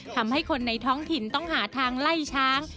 ทำให้คนในท้องถิ่นต้องหาทางไล่ช้าง